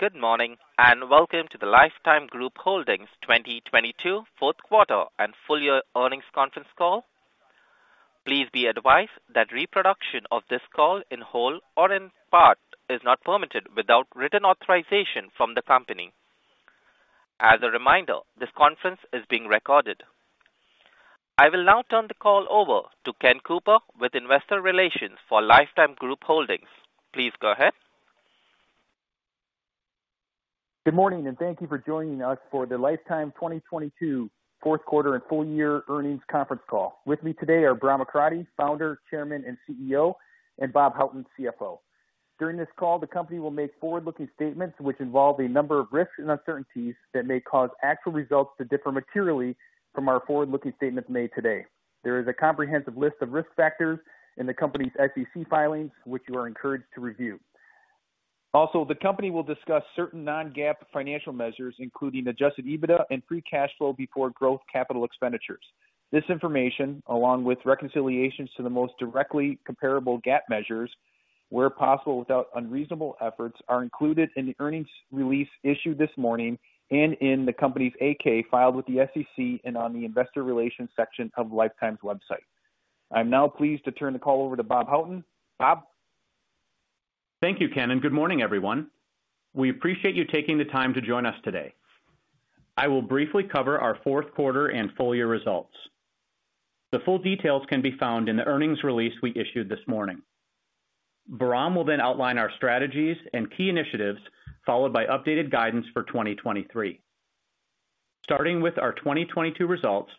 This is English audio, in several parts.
Good morning. Welcome to the Life Time Group Holdings 2022 Q4 and full year earnings conference call. Please be advised that reproduction of this call in whole or in part is not permitted without written authorization from the company. As a reminder, this conference is being recorded. I will now turn the call over to Ken Cooper with investor relations for Life Time Group Holdings. Please go ahead. Good morning, and thank you for joining us for the Life Time 2022 4th quarter and full year earnings conference call. With me today are Bahram Akradi, Founder, Chairman, and CEO, and Robert Houghton, CFO. During this call, the company will make forward-looking statements which involve a number of risks and uncertainties that may cause actual results to differ materially from our forward-looking statements made today. There is a comprehensive list of risk factors in the company's SEC filings, which you are encouraged to review. Also, the company will discuss certain non-GAAP financial measures, including Adjusted EBITDA and free cash flow before growth capital expenditures. This information, along with reconciliations to the most directly comparable GAAP measures, where possible without unreasonable efforts, are included in the earnings release issued this morning and in the company's 8-K filed with the SEC and on the investor relations section of Life Time's website. I'm now pleased to turn the call over to Robert Houghton. Bob? Thank you, Ken, and good morning, everyone. We appreciate you taking the time to join us today. I will briefly cover our Q4 and full-year results. The full details can be found in the earnings release we issued this morning. Bahram will then outline our strategies and key initiatives, followed by updated guidance for 2023. Starting with our 2022 results,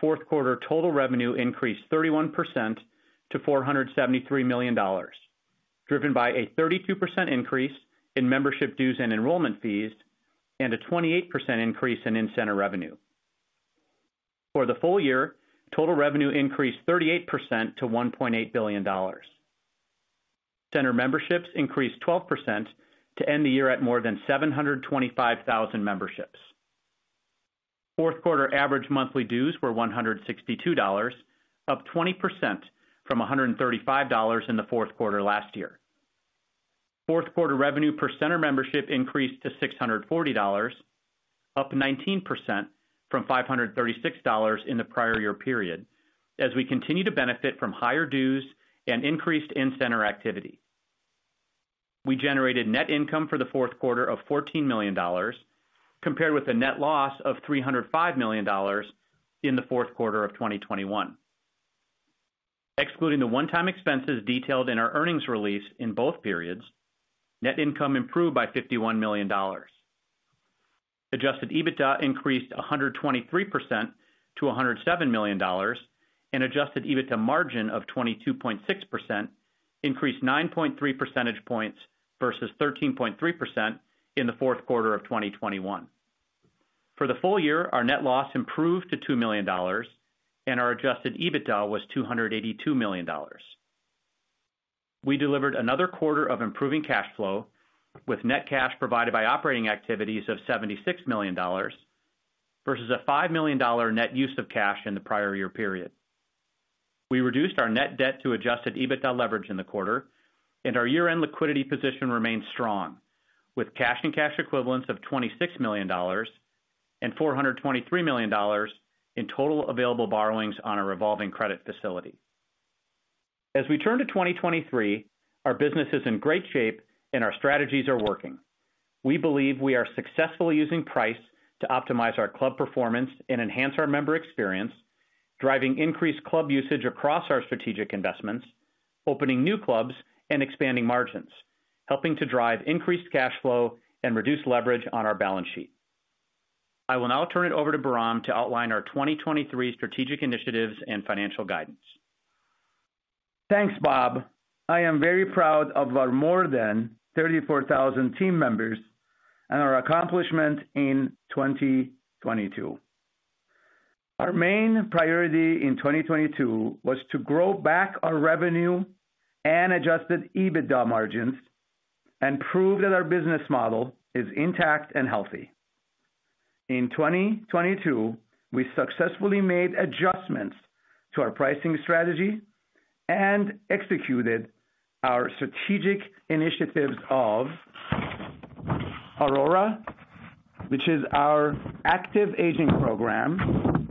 Q4 total revenue increased 31% to $473 million, driven by a 32% increase in membership dues and enrollment fees and a 28% increase in in-center revenue. For the full year, total revenue increased 38% to $1.8 billion. Center memberships increased 12% to end the year at more than 725,000 memberships. Fourth quarter average monthly dues were $162, up 20% from $135 in the Q4 last year. Fourth quarter revenue per center membership increased to $640, up 19% from $536 in the prior year period as we continue to benefit from higher dues and increased in-center activity. We generated net income for the Q4 of $14 million, compared with a net loss of $305 million in the Q4 of 2021. Excluding the one-time expenses detailed in our earnings release in both periods, net income improved by $51 million. Adjusted EBITDA increased 123% to $107 million, Adjusted EBITDA margin of 22.6% increased 9.3 percentage points versus 13.3% in the Q4 of 2021. For the full year, our net loss improved to $2 million and our Adjusted EBITDA was $282 million. We delivered another quarter of improving cash flow with net cash provided by operating activities of $76 million versus a $5 million net use of cash in the prior year period. We reduced our net debt to Adjusted EBITDA leverage in the quarter and our year-end liquidity position remains strong with cash and cash equivalents of $26 million and $423 million in total available borrowings on a revolving credit facility. As we turn to 2023, our business is in great shape and our strategies are working. We believe we are successfully using price to optimize our club performance and enhance our member experience, driving increased club usage across our strategic investments, opening new clubs and expanding margins, helping to drive increased cash flow and reduce leverage on our balance sheet. I will now turn it over to Bahram to outline our 2023 strategic initiatives and financial guidance. Thanks, Bob. I am very proud of our more than 34,000 team members and our accomplishment in 2022. Our main priority in 2022 was to grow back our revenue and Adjusted EBITDA margins and prove that our business model is intact and healthy. In 2022, we successfully made adjustments to our pricing strategy and executed our strategic initiatives of ARORA, which is our active aging program,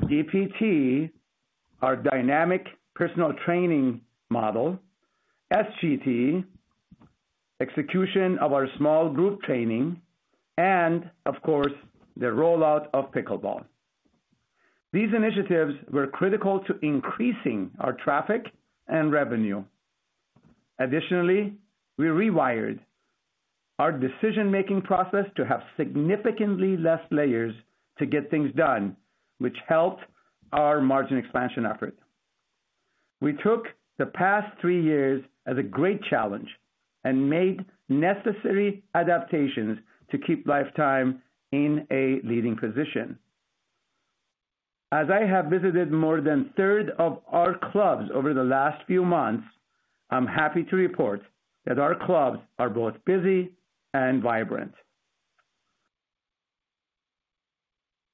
DPT, our Dynamic Personal Training model, SGT, execution of our small group training, and of course, the rollout of pickleball. These initiatives were critical to increasing our traffic and revenue. Additionally, we rewired our decision-making process to have significantly less layers to get things done, which helped our margin expansion effort. We took the past three years as a great challenge and made necessary adaptations to keep Life Time in a leading position. As I have visited more than a third of our clubs over the last few months, I'm happy to report that our clubs are both busy and vibrant.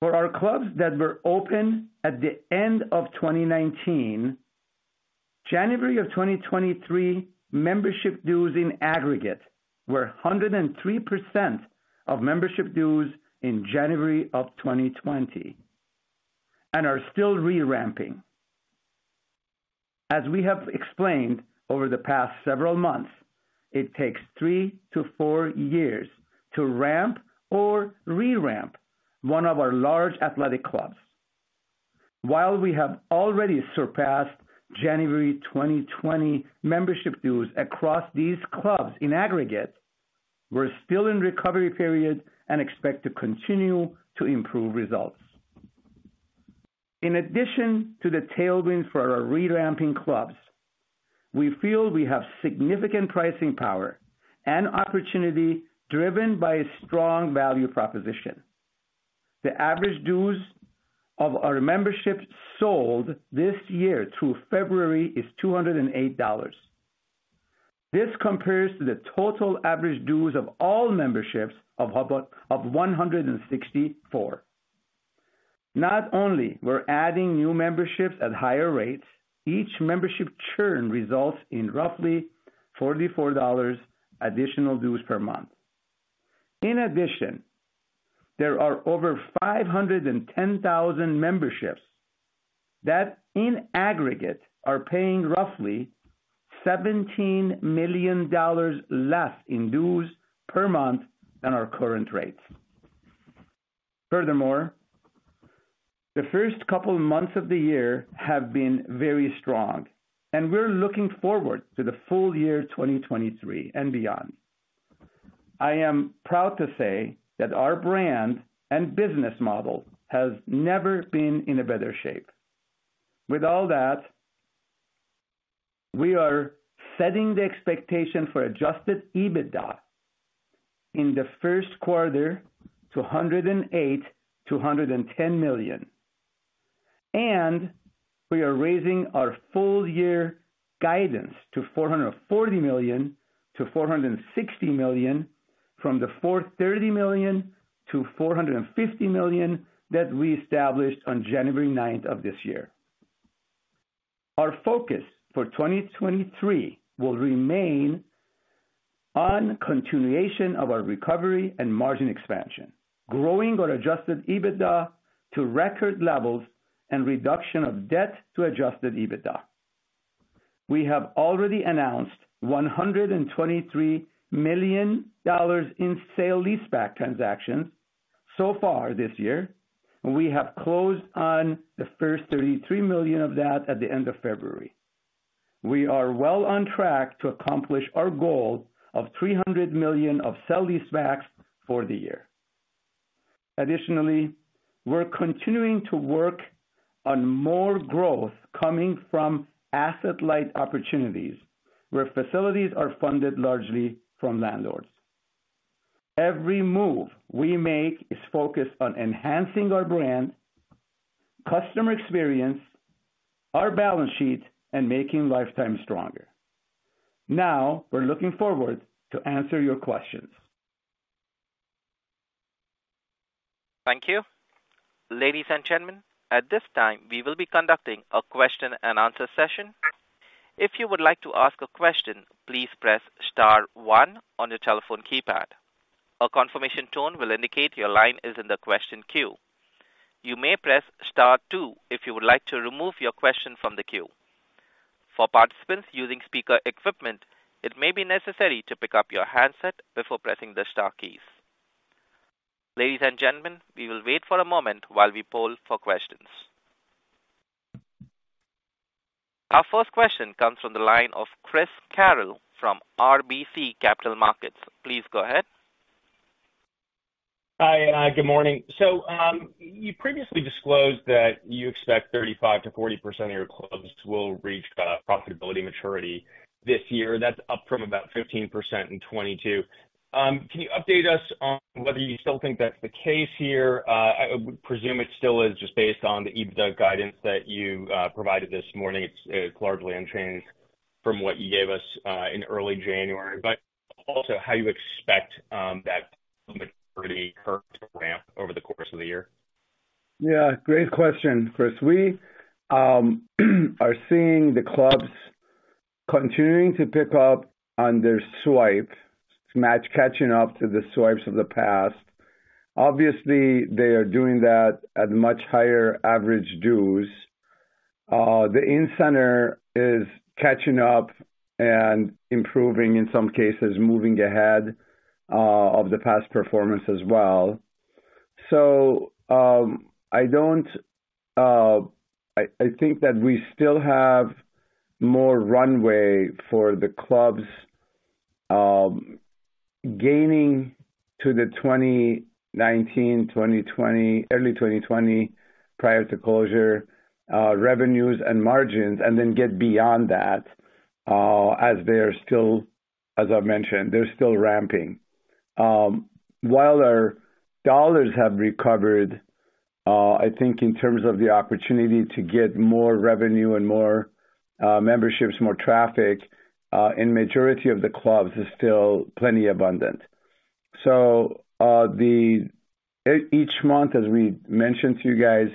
For our clubs that were open at the end of 2019, January of 2023 membership dues in aggregate were 103% of membership dues in January of 2020 and are still re-ramping. As we have explained over the past several months, it takes three-four years to ramp or re-ramp one of our large athletic clubs. While we have already surpassed January 2020 membership dues across these clubs in aggregate, we're still in recovery period and expect to continue to improve results. In addition to the tailwinds for our re-ramping clubs, we feel we have significant pricing power and opportunity driven by a strong value proposition. The average dues of our memberships sold this year through February is $208. This compares to the total average dues of all memberships of $164. We're adding new memberships at higher rates, each membership churn results in roughly $44 additional dues per month. There are over 510,000 memberships that in aggregate are paying roughly $17 million less in dues per month than our current rates. The first couple months of the year have been very strong, and we're looking forward to the full year 2023 and beyond. I am proud to say that our brand and business model has never been in a better shape. With all that, we are setting the expectation for Adjusted EBITDA in the Q1 to $108 million-$110 million. We are raising our full year guidance to $440 million-$460 million from the $430 million-$450 million that we established on January 9th of this year. Our focus for 2023 will remain on continuation of our recovery and margin expansion, growing our Adjusted EBITDA to record levels and reduction of debt to Adjusted EBITDA. We have already announced $123 million in sale-leaseback transactions so far this year. We have closed on the first $33 million of that at the end of February. We are well on track to accomplish our goal of $300 million of sale-leasebacks for the year. Additionally, we're continuing to work on more growth coming from asset-light opportunities, where facilities are funded largely from landlords. Every move we make is focused on enhancing our brand, customer experience, our balance sheet, and making Life Time stronger. We're looking forward to answer your questions. Thank you. Ladies and gentlemen, at this time, we will be conducting a question-and-answer session. If you would like to ask a question, please press star one on your telephone keypad. A confirmation tone will indicate your line is in the question queue. You may press star two if you would like to remove your question from the queue. For participants using speaker equipment, it may be necessary to pick up your handset before pressing the star keys. Ladies and gentlemen, we will wait for a moment while we poll for questions. Our first question comes from the line of Christopher Carroll from RBC Capital Markets. Please go ahead. Hi, good morning. You previously disclosed that you expect 35%-40% of your clubs will reach profitability maturity this year. That's up from about 15% in 2022. Can you update us on whether you still think that's the case here? I would presume it still is just based on the EBITDA guidance that you provided this morning. It's largely unchanged from what you gave us in early January. Also, how you expect that profitability curve to ramp over the course of the year? Yeah. Great question, Chris. We are seeing the clubs continuing to pick up on their swipes, match catching up to the swipes of the past. Obviously, they are doing that at much higher average dues. The in-center is catching up and improving, in some cases, moving ahead of the past performance as well. I think that we still have more runway for the clubs gaining to the 2019, 2020, early 2020 prior to closure revenues and margins, and then get beyond that, as they are still, as I've mentioned, they're still ramping. While our dollars have recovered, I think in terms of the opportunity to get more revenue and more memberships, more traffic in majority of the clubs is still plenty abundant. Each month, as we mentioned to you guys,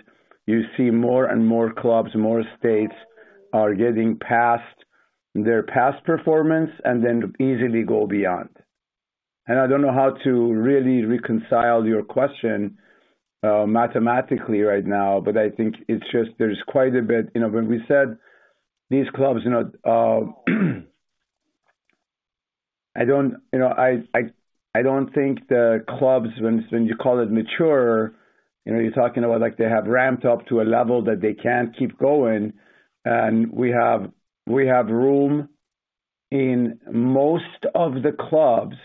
you see more and more clubs, more states are getting past their past performance and then easily go beyond. I don't know how to really reconcile your question mathematically right now, but I think it's just there's quite a bit. You know, when we said these clubs, you know, I don't think the clubs when you call it mature, you know, you're talking about like they have ramped up to a level that they can't keep going. We have room in most of the clubs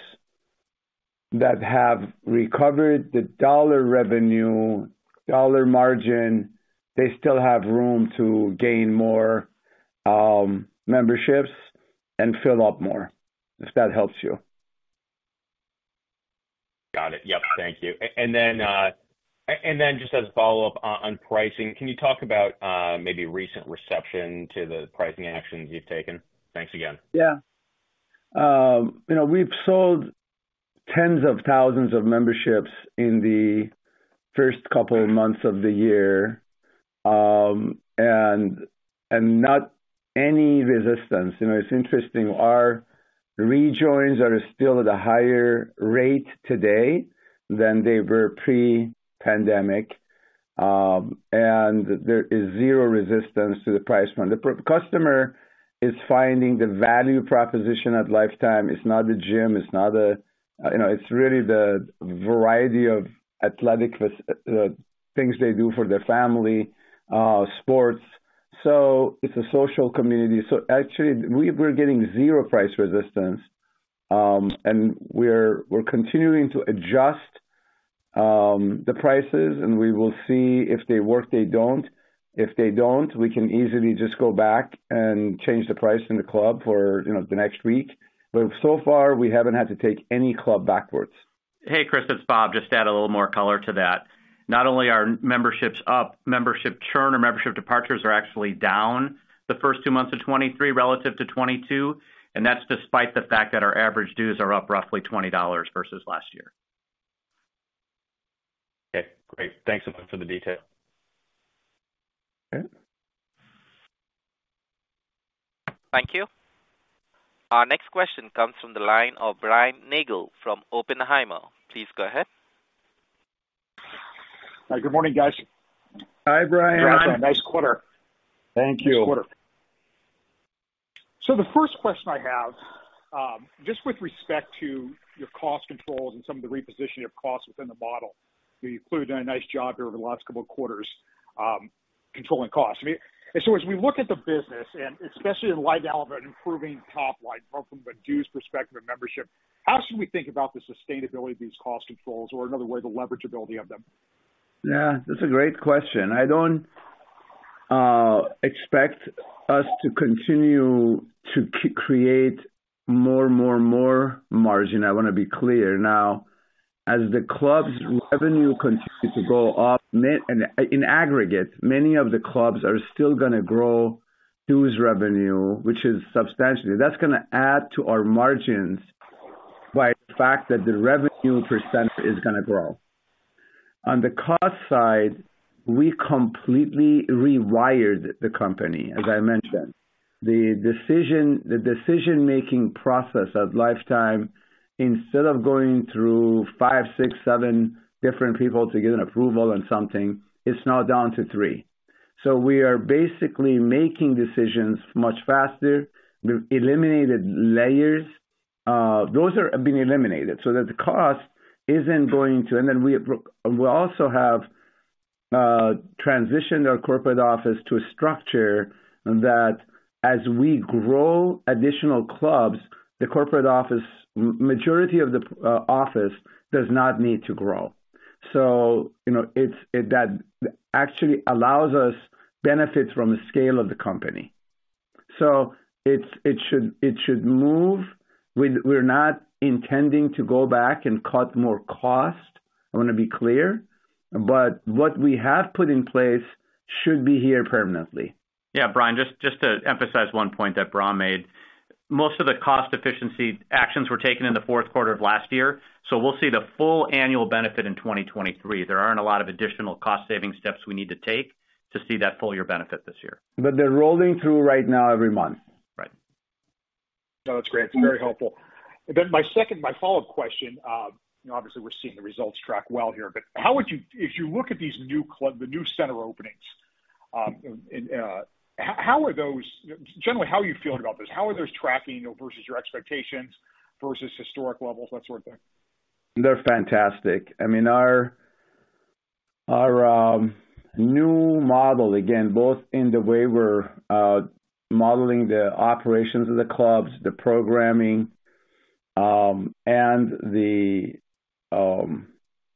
that have recovered the dollar revenue, dollar margin, they still have room to gain more memberships and fill up more, if that helps you. Got it. Yep. Thank you. Just as a follow-up on pricing, can you talk about maybe recent reception to the pricing actions you've taken? Thanks again. Yeah. You know, we've sold tens of thousands of memberships in the first couple of months of the year, and not any resistance. You know, it's interesting. Our rejoins are still at a higher rate today than they were pre-pandemic, there is zero resistance to the price point. The customer is finding the value proposition at Life Time. It's not the gym, it's not a. You know, it's really the variety of athletic things they do for their family, sports. It's a social community. Actually we're getting 0 price resistance. We're continuing to adjust the prices, we will see if they work, they don't. If they don't, we can easily just go back and change the price in the club for, you know, the next week. So far, we haven't had to take any club backwards. Hey, Chris, it's Bob. Just to add a little more color to that. Not only are memberships up, membership churn or membership departures are actually down the first two months of 2023 relative to 2022. That's despite the fact that our average dues are up roughly $20 versus last year. Okay, great. Thanks a lot for the detail. Okay. Thank you. Our next question comes from the line of Brian Nagel from Oppenheimer. Please go ahead. Hi. Good morning, guys. Hi, Brian. Brian. Nice quarter. Thank you. Nice quarter. The first question I have, just with respect to your cost controls and some of the repositioning of costs within the model, you've clearly done a nice job here over the last couple of quarters, controlling costs. I mean, as we look at the business and especially in light of an improving top line, both from a dues perspective and membership, how should we think about the sustainability of these cost controls or another way the leverage ability of them? Yeah, that's a great question. I don't expect us to continue to create more and more and more margin. I wanna be clear now. As the club's revenue continues to go up, In aggregate, many of the clubs are still gonna grow dues revenue, which is substantially. That's gonna add to our margins by the fact that the revenue % is gonna grow. On the cost side, we completely rewired the company, as I mentioned. The decision-making process at Life Time, instead of going through five, six, seven different people to get an approval on something, it's now down to three. We are basically making decisions much faster. We've eliminated layers. Those are being eliminated so that the cost isn't going to... We also have transitioned our corporate office to a structure that as we grow additional clubs, the corporate office, majority of the office does not need to grow. You know, that actually allows us benefits from the scale of the company. It should move. We're not intending to go back and cut more cost. I wanna be clear. What we have put in place should be here permanently. Yeah. Brian, just to emphasize one point that Bahram made. Most of the cost efficiency actions were taken in the Q4 of last year. We'll see the full annual benefit in 2023. There aren't a lot of additional cost saving steps we need to take to see that full year benefit this year. They're rolling through right now every month. Right. No, that's great. That's very helpful. My second, my follow-up question, you know, obviously we're seeing the results track well here. If you look at these new center openings, how are those... Generally, how are you feeling about this? How are those tracking versus your expectations versus historic levels, that sort of thing? They're fantastic. I mean, our new model, again, both in the way we're modeling the operations of the clubs, the programming,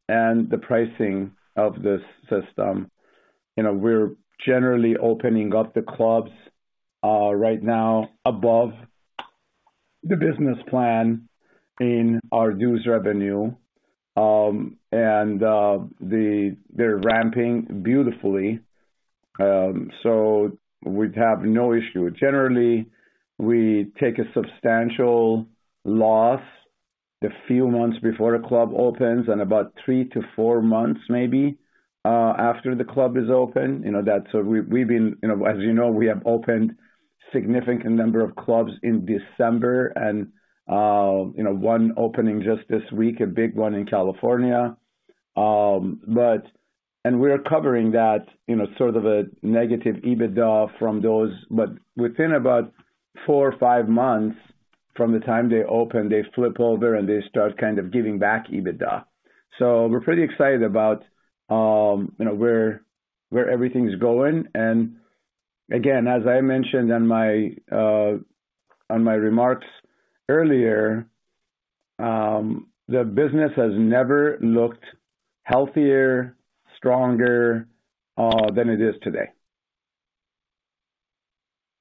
and the pricing of this system. You know, we're generally opening up the clubs right now above the business plan in our dues revenue, and they're ramping beautifully, so we have no issue. Generally, we take a substantial loss a few months before a club opens and about three to four months maybe after the club is open, you know. That's we've been, you know. As you know, we have opened significant number of clubs in December and, you know, one opening just this week, a big one in California. We're covering that, you know, sort of a negative EBITDA from those. Within about four or five months from the time they open, they flip over, and they start kind of giving back EBITDA. We're pretty excited about, you know, where everything's going. Again, as I mentioned on my remarks earlier, the business has never looked healthier, stronger, than it is today.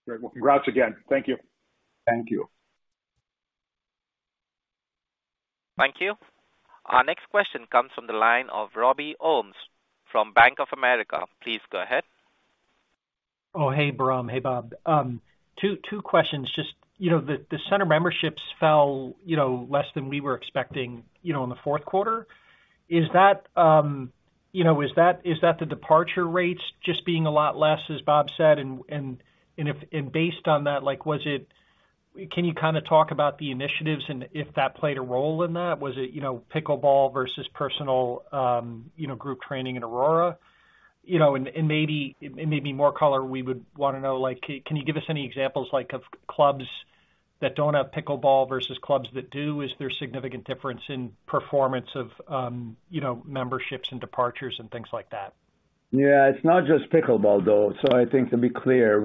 Great. Well, congrats again. Thank you. Thank you. Thank you. Our next question comes from the line of Robert Ohmes from Bank of America. Please go ahead. Hey, Bahram. Hey, Bob. Two questions. Just, you know, the center memberships fell, you know, less than we were expecting, you know, in the Q4. Is that, you know, the departure rates just being a lot less, as Bob said? Based on that, like, was it? Can you kinda talk about the initiatives and if that played a role in that? Was it, you know, pickleball versus personal, you know, group training in ARORA? You know, and maybe more color we would wanna know, like, can you give us any examples, like, of clubs that don't have pickleball versus clubs that do? Is there significant difference in performance of, you know, memberships and departures and things like that? It's not just pickleball, though. I think to be clear,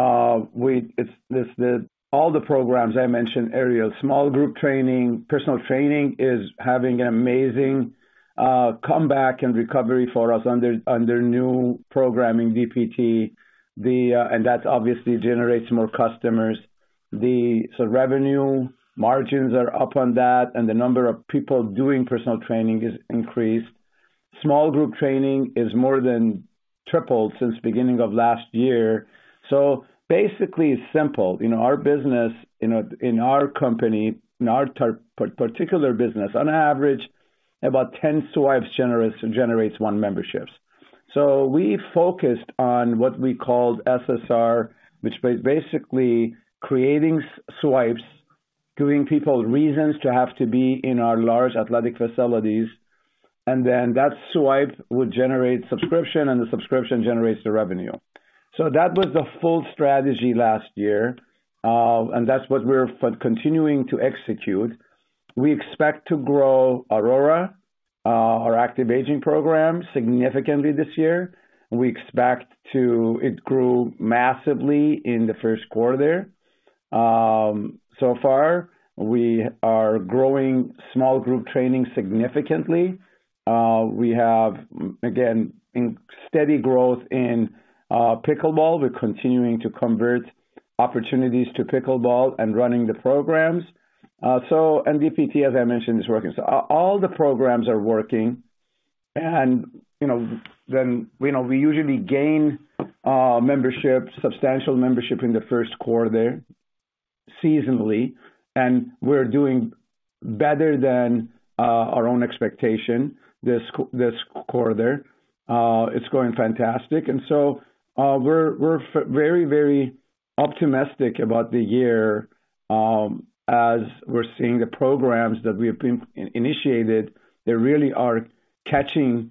It's all the programs I mentioned earlier, small group training. Personal training is having an amazing comeback and recovery for us under new programming, VPT. And that obviously generates more customers. Revenue margins are up on that, and the number of people doing personal training is increased. Small group training is more than tripled since beginning of last year. Basically, it's simple. You know, our business in our company, in our particular business, on average about 10 swipes generates 1 memberships. We focused on what we called SSR, which is basically creating swipes, giving people reasons to have to be in our large athletic facilities, and then that swipe would generate subscription, and the subscription generates the revenue. That was the full strategy last year, and that's what we're continuing to execute. We expect to grow ARORA, our active aging program, significantly this year. It grew massively in the Q1. So far, we are growing small group training significantly. We have, again, steady growth in pickleball. We're continuing to convert opportunities to pickleball and running the programs. VPT, as I mentioned, is working. All the programs are working. You know, you know, we usually gain membership, substantial membership in the Q1 seasonally, and we're doing better than our own expectation this quarter. It's going fantastic. we're very optimistic about the year, as we're seeing the programs that we've been initiated, they really are catching,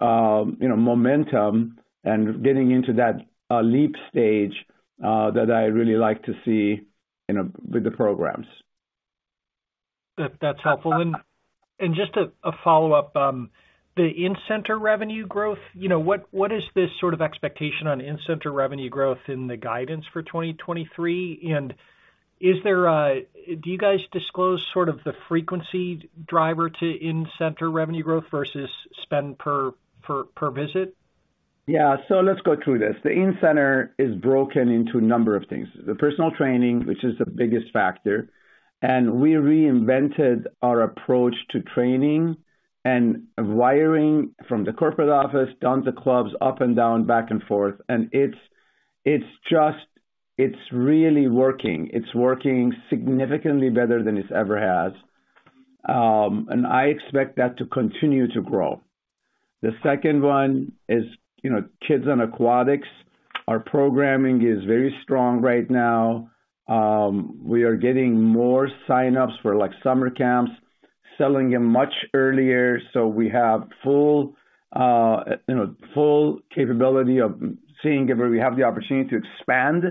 you know, momentum and getting into that leap stage that I really like to see, you know, with the programs. That's helpful. Just a follow-up. The in-center revenue growth, you know, what is the sort of expectation on in-center revenue growth in the guidance for 2023? Do you guys disclose sort of the frequency driver to in-center revenue growth versus spend per visit? Yeah. Let's go through this. The in-center is broken into a number of things. The personal training, which is the biggest factor, we reinvented our approach to training and wiring from the corporate office, down to clubs, up and down, back and forth, it's really working. It's working significantly better than it ever has. I expect that to continue to grow. The second one is, you know, kids and aquatics. Our programming is very strong right now. We are getting more signups for, like, summer camps, selling them much earlier, so we have full, you know, full capability of seeing if we have the opportunity to expand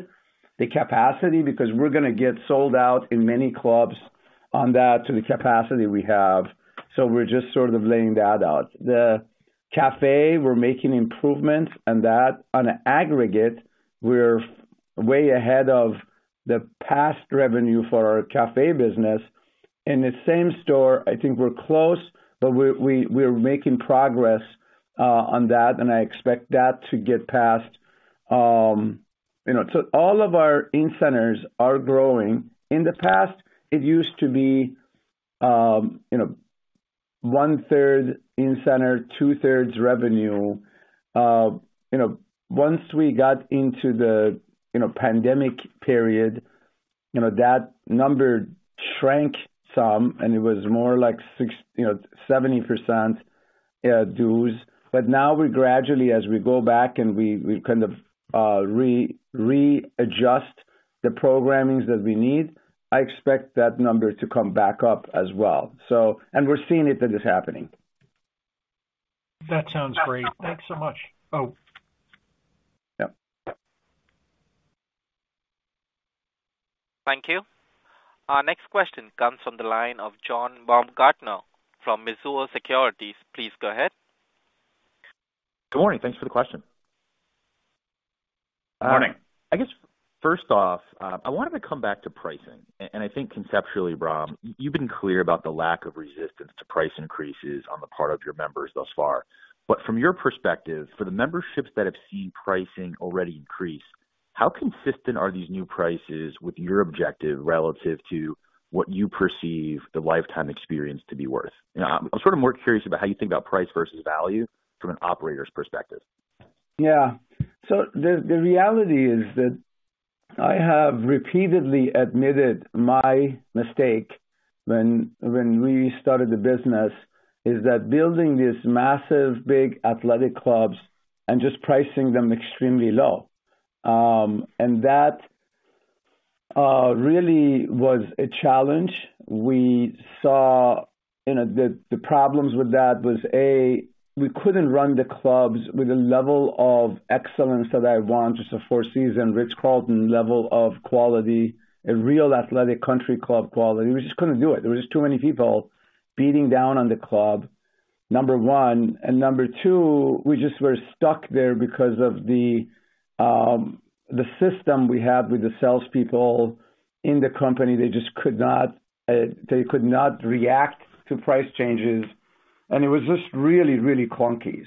the capacity because we're gonna get sold out in many clubs on that to the capacity we have. We're just sort of laying that out. The cafe, we're making improvements on that. On aggregate, we're way ahead of the past revenue for our café business. In the same store, I think we're close, but we're making progress on that, and I expect that to get past. You know, all of our in-centers are growing. In the past, it used to be, you know, one third in-center, two-thirds revenue. You know, once we got into the, you know, pandemic period, you know, that number shrank some, and it was more like, you know, 70% dues. Now we gradually, as we go back and we kind of, readjust the programmings that we need, I expect that number to come back up as well. We're seeing it, that is happening. That sounds great. Thanks so much. Oh. Yeah. Thank you. Our next question comes from the line of John Baumgartner from Mizuho Securities. Please go ahead. Good morning. Thanks for the question. Morning. I guess, first off, I wanted to come back to pricing, and I think conceptually, Bram, you've been clear about the lack of resistance to price increases on the part of your members thus far. From your perspective, for the memberships that have seen pricing already increase, how consistent are these new prices with your objective relative to what you perceive the Life Time experience to be worth? You know, I'm sort of more curious about how you think about price versus value from an operator's perspective. The, the reality is that I have repeatedly admitted my mistake when we started the business, is that building these massive, big athletic clubs and just pricing them extremely low. That really was a challenge. We saw, you know, the problems with that was, A, we couldn't run the clubs with a level of excellence that I want, just a Four Seasons, The Ritz-Carlton level of quality, a real athletic country club quality. We just couldn't do it. There was just too many people beating down on the club, number 1. Number 2, we just were stuck there because of the system we had with the salespeople in the company. They just could not, they could not react to price changes. It was just really, really clunky.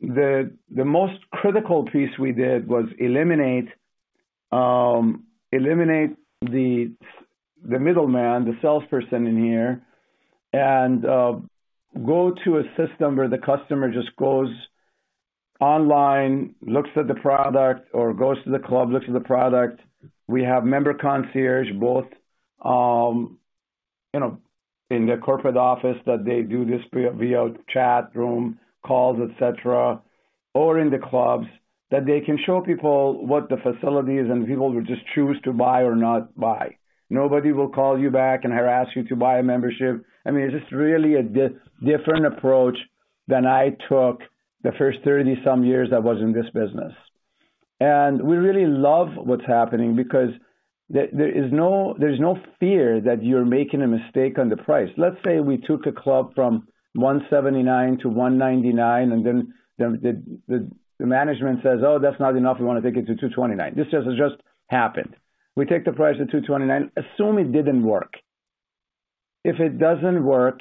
The most critical piece we did was eliminate the middleman, the salesperson in here, and go to a system where the customer just goes online, looks at the product, or goes to the club, looks at the product. We have member concierge, both, you know, in the corporate office that they do this via chat room calls, et cetera, or in the clubs, that they can show people what the facility is, and people will just choose to buy or not buy. Nobody will call you back and harass you to buy a membership. I mean, it's just really a different approach than I took the first 30 some years I was in this business. We really love what's happening because there is no fear that you're making a mistake on the price. Let's say we took a club from 179 to 199, and then the management says, "Oh, that's not enough. We want to take it to 229." This has just happened. We take the price to 229. Assume it didn't work. If it doesn't work,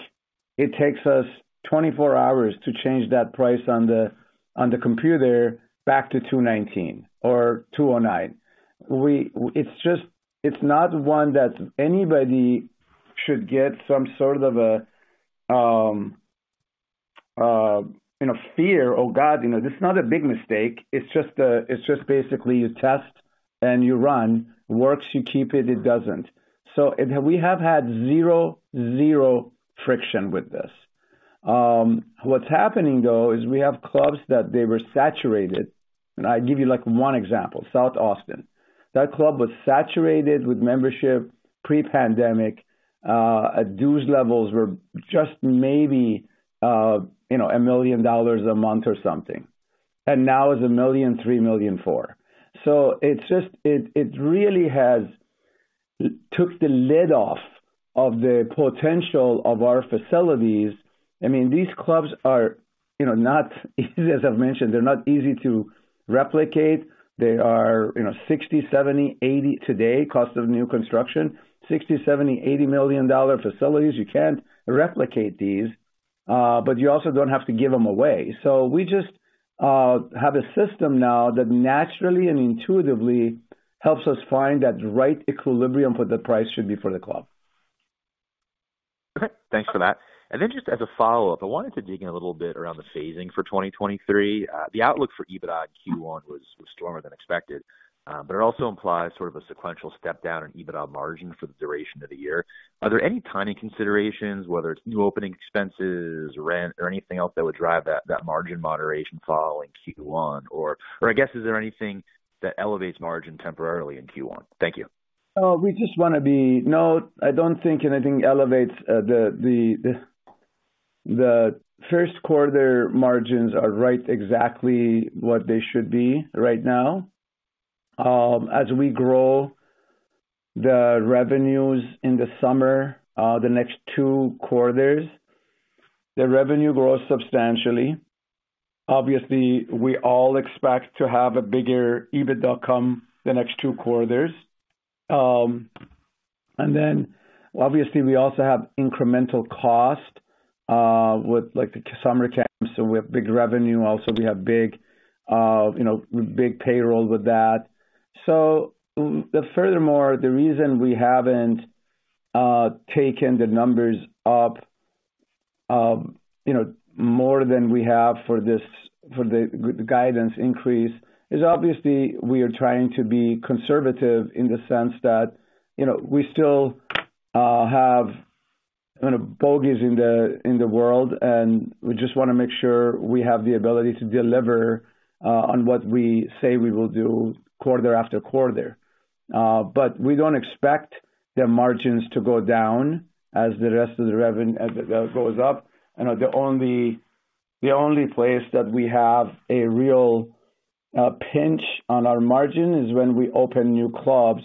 it takes us 24 hours to change that price on the computer back to 219 or 209. It's just, it's not one that anybody should get some sort of a, you know, fear. Oh, God, you know, this is not a big mistake. It's just basically you test and you run. Works, you keep it. It doesn't. And we have had zero friction with this. What's happening, though, is we have clubs that they were saturated. And I'll give you, like, one example, South Austin. That club was saturated with membership pre-pandemic. Dues levels were just maybe, you know, $1 million a month or something. Now it's $1.3 million, $1.4 million. It really has took the lid off of the potential of our facilities. I mean, these clubs are, you know, not easy as I've mentioned, they're not easy to replicate. They are, you know, 60, 70, 80 today, cost of new construction, $60 million, $70 million, $80 million facilities. You can't replicate these, but you also don't have to give them away. We just have a system now that naturally and intuitively helps us find that right equilibrium for the price should be for the club. Okay. Thanks for that. Just as a follow-up, I wanted to dig in a little bit around the phasing for 2023. The outlook for EBITDA in Q1 was stronger than expected, it also implies sort of a sequential step down in EBITDA margin for the duration of the year. Are there any timing considerations, whether it's new opening expenses, rent, or anything else that would drive that margin moderation fall in Q1? I guess, is there anything that elevates margin temporarily in Q1? Thank you. No, I don't think anything elevates, the Q1 margins are right exactly what they should be right now. As we grow the revenues in the summer, the next 2 quarters. The revenue grows substantially. Obviously, we all expect to have a bigger EBITDA come the next 2 quarters. Obviously we also have incremental cost, with like the summer camps. We have big revenue also, we have big, you know, big payroll with that. Furthermore, the reason we haven't taken the numbers up, you know, more than we have for the guidance increase is obviously we are trying to be conservative in the sense that, you know, we still have kind of bogeys in the world, and we just wanna make sure we have the ability to deliver on what we say we will do quarter after quarter. We don't expect the margins to go down as the rest of the reven-- as it goes up. You know, the only, the only place that we have a real pinch on our margin is when we open new clubs,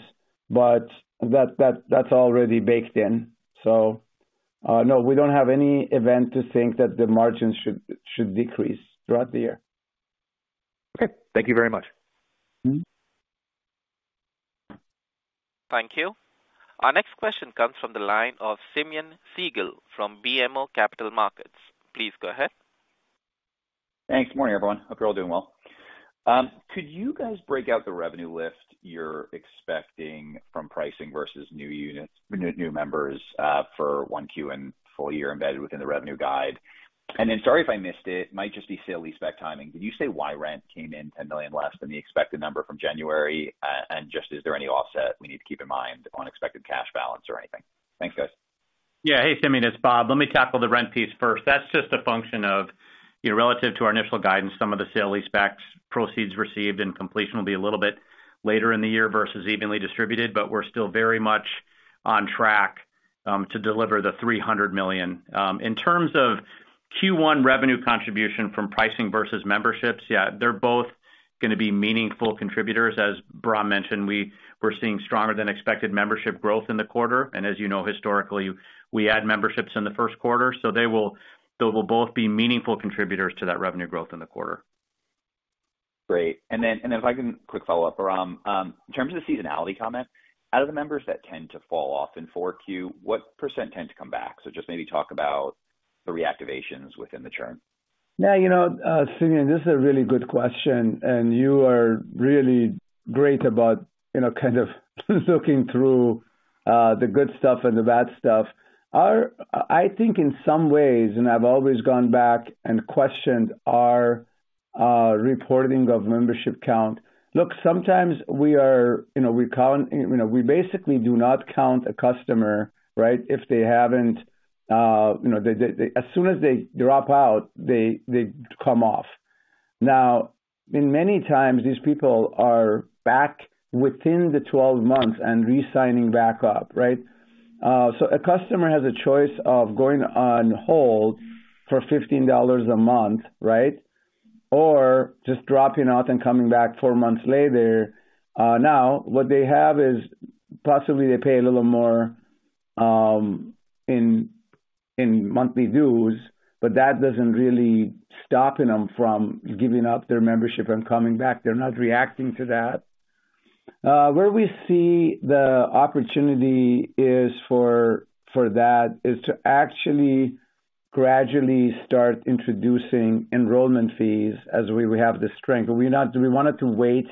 but that's already baked in. No, we don't have any event to think that the margins should decrease throughout the year. Okay. Thank you very much. Mm-hmm. Thank you. Our next question comes from the line of Simeon Siegel from BMO Capital Markets. Please go ahead. Thanks. Good morning, everyone. Hope you're all doing well. Could you guys break out the revenue lift you're expecting from pricing versus new members, for one Q and full year embedded within the revenue guide? Sorry if I missed it, might just be sale-leaseback timing. Did you say why rent came in $10 million less than the expected number from January? Just is there any offset we need to keep in mind on expected cash balance or anything? Thanks, guys. Yeah. Hey, Simeon, it's Bob. Let me tackle the rent piece first. That's just a function of, you know, relative to our initial guidance, some of the sale-leasebacks proceeds received and completion will be a little bit later in the year versus evenly distributed, but we're still very much on track to deliver the $300 million. In terms of Q1 revenue contribution from pricing versus memberships, yeah, they're both gonna be meaningful contributors. As Bram mentioned, we're seeing stronger than expected membership growth in the quarter. As you know, historically, we add memberships in the Q1. They will both be meaningful contributors to that revenue growth in the quarter. Great. Then if I can quick follow up, Ram, in terms of the seasonality comment, out of the members that tend to fall off in 4Q, what % tend to come back? Just maybe talk about the reactivations within the churn. You know, Simeon, this is a really good question. You are really great about, you know, kind of looking through the good stuff and the bad stuff. I think in some ways, I've always gone back and questioned our reporting of membership count. Look, sometimes we are, you know, we count, you know, we basically do not count a customer, right? If they haven't, you know, they, as soon as they drop out, they come off. In many times, these people are back within the 12 months and re-signing back up, right? So a customer has a choice of going on hold for $15 a month, right? Or just dropping out and coming back four months later. Now what they have is possibly they pay a little more in monthly dues, but that doesn't really stopping them from giving up their membership and coming back. They're not reacting to that. Where we see the opportunity is for that is to actually gradually start introducing enrollment fees as we have the strength. We wanted to wait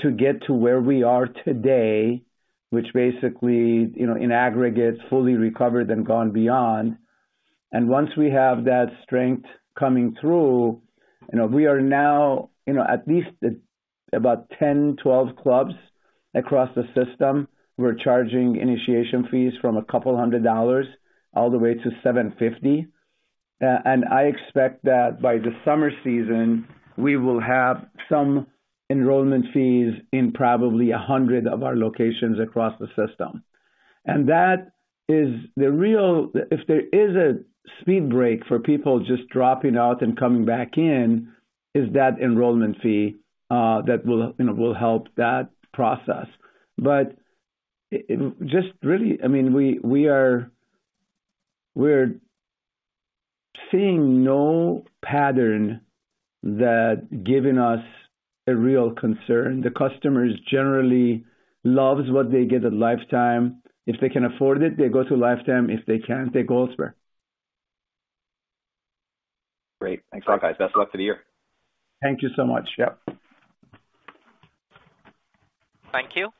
to get to where we are today, which basically, you know, in aggregate, fully recovered and gone beyond. Once we have that strength coming through, you know, we are now, you know, at least about 10, 12 clubs across the system, we're charging initiation fees from a couple hundred dollars all the way to $750. I expect that by the summer season, we will have some enrollment fees in probably 100 of our locations across the system. That is the real. If there is a speed break for people just dropping out and coming back in, is that enrollment fee that will, you know, will help that process. Just really, I mean, we're seeing no pattern that giving us a real concern. The customers generally loves what they get at Life Time. If they can afford it, they go to Life Time. If they can't, they go elsewhere. Great. Thanks a lot, guys. Best of luck for the year. Thank you so much. Yep. Thank you.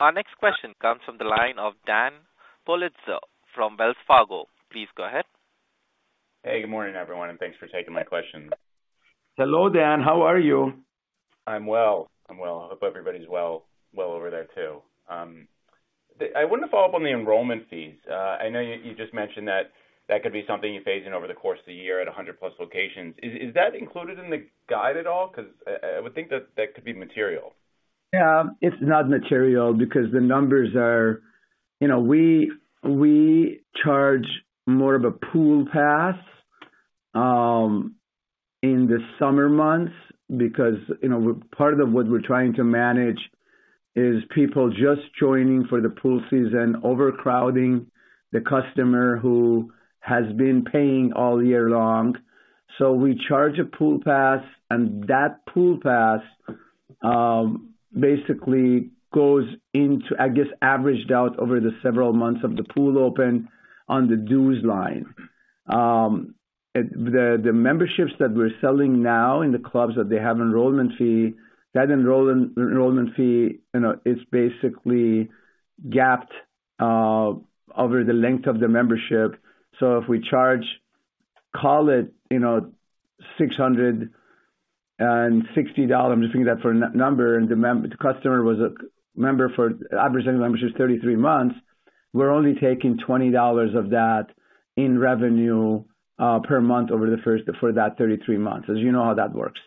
Our next question comes from the line of Daniel Politzer from Wells Fargo. Please go ahead. Hey, good morning, everyone, and thanks for taking my question. Hello, Dan. How are you? I'm well. I'm well. I hope everybody's well, well over there too. I wanted to follow up on the enrollment fees. I know you just mentioned that that could be something you phase in over the course of the year at 100 plus locations. Is that included in the guide at all? Because I would think that that could be material. Yeah. It's not material because the numbers are... You know, we charge more of a pool pass. In the summer months, because, you know, part of what we're trying to manage is people just joining for the pool season, overcrowding the customer who has been paying all year long. We charge a pool pass, and that pool pass, basically goes into, I guess, averaged out over the several months of the pool open on the dues line. The, the memberships that we're selling now in the clubs that they have enrollment fee, that enrollment fee, you know, it's basically GAAP over the length of the membership. If we charge, call it, you know, $660, I'm just giving that for a number, and the customer was a member for average membership is 33 months, we're only taking $20 of that in revenue per month over for that 33 months, as you know how that works.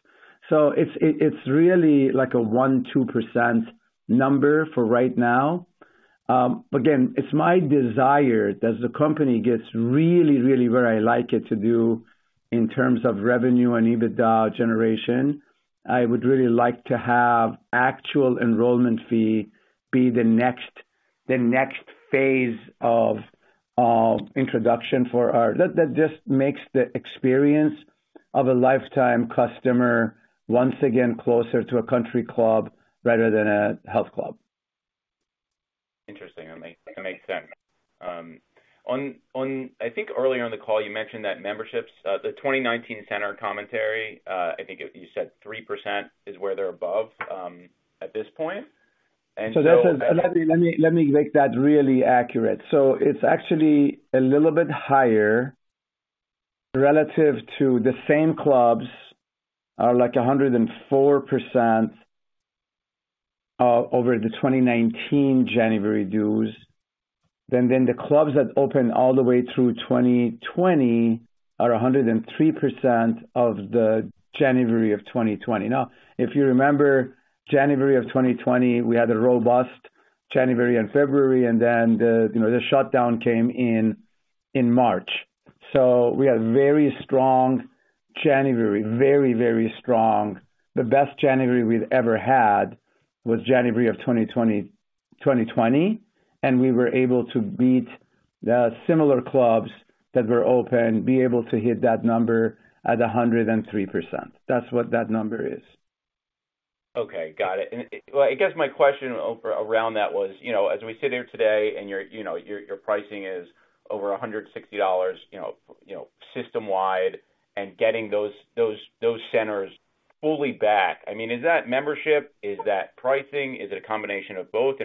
It's really like a 1%, 2% number for right now. Again, it's my desire that the company gets really, really where I like it to do in terms of revenue and EBITDA generation. I would really like to have actual enrollment fee be the next phase of introduction for our... That just makes the experience of a Life Time customer once again closer to a country club rather than a health club. Interesting. That makes, that makes sense. I think earlier in the call you mentioned that memberships, the 2019 center commentary, you said 3% is where they're above at this point. Let me make that really accurate. It's actually a little bit higher relative to the same clubs, are like 104%, over the 2019 January dues. The clubs that open all the way through 2020 are 103% of the January of 2020. If you remember January of 2020, we had a robust January and February, and then, you know, the shutdown came in March. We had very strong January. Very strong. The best January we've ever had was January of 2020, and we were able to beat the similar clubs that were open, be able to hit that number at 103%. That's what that number is. Okay, got it. Well, I guess my question around that was, you know, as we sit here today and you know, your pricing is over $160, you know, you know, system wide and getting those centers fully back, I mean, is that membership? Is that pricing? Is it a combination of both?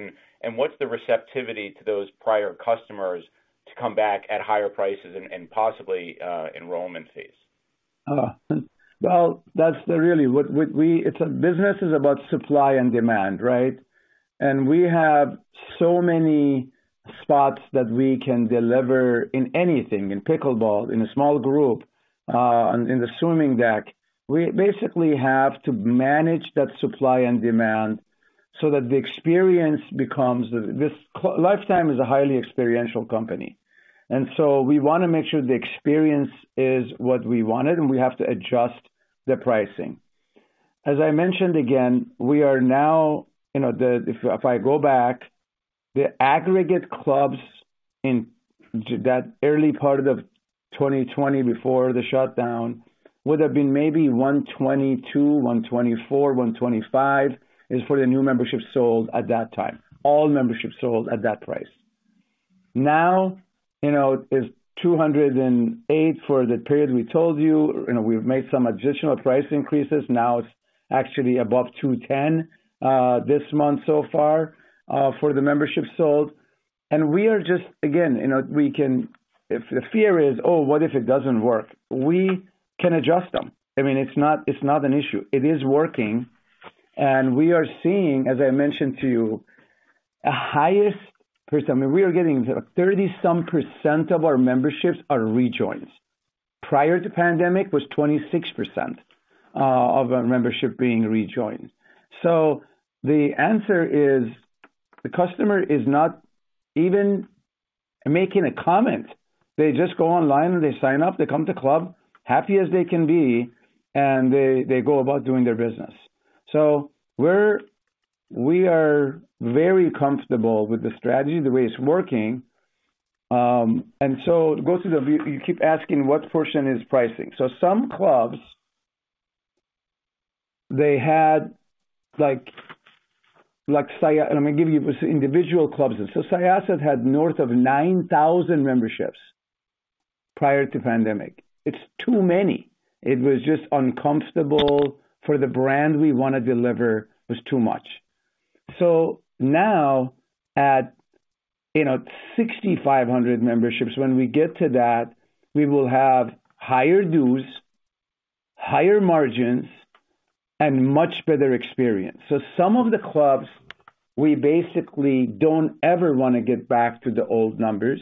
What's the receptivity to those prior customers to come back at higher prices and possibly enrollment fees? Well, business is about supply and demand, right? We have so many spots that we can deliver in anything. In pickleball, in a small group, in the swimming deck. We basically have to manage that supply and demand so that the experience becomes what we wanted. Life Time is a highly experiential company, we wanna make sure the experience is what we wanted, and we have to adjust the pricing. As I mentioned again, we are now, you know, if I go back, the aggregate clubs that early part of 2020 before the shutdown would have been maybe $122, $124, $125, is for the new memberships sold at that time. All memberships sold at that price. Now, you know, it's $208 for the period we told you. You know, we've made some additional price increases. It's actually above $210 this month so far for the memberships sold. We are just. Again, you know, if the fear is, "Oh, what if it doesn't work?" We can adjust them. I mean, it's not, it's not an issue. It is working. We are seeing, as I mentioned to you, a highest %. I mean, we are getting 30 some % of our memberships are rejoins. Prior to pandemic was 26% of our membership being rejoined. The answer is the customer is not even making a comment. They just go online, and they sign up. They come to club happy as they can be, and they go about doing their business. We are very comfortable with the strategy, the way it's working. Go through the You keep asking what portion is pricing. Some clubs, they had like Let me give you individual clubs. Syosset had north of 9,000 memberships prior to pandemic. It's too many. It was just uncomfortable for the brand we wanna deliver. It was too much. Now at, you know, 6,500 memberships, when we get to that, we will have higher dues, higher margins, and much better experience. Some of the clubs, we basically don't ever wanna get back to the old numbers,